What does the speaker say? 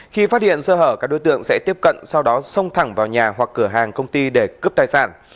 khi phát hiện sơ hở các đối tượng sẽ tiếp cận sau đó xông thẳng vào nhà hoặc cửa hàng công ty để cướp tài sản